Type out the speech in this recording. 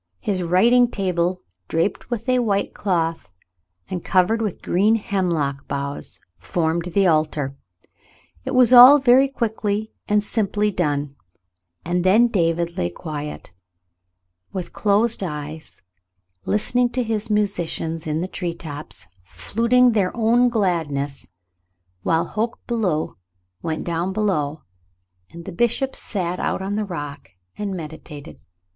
His writing table, draped with a white cloth and covered with green hemlock boughs, formed the altar. It was all very quickly and simply done, and then David lay quiet, with closed eyes, listening to his musicians in the tree tops, fluting their own glad An Eventful Day 193 ness, while Hoke Belew went down below, and the bishop sat out on the rock and meditated.